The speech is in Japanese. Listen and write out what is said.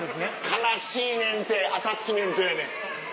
悲しいねんてアタッチメントやねん。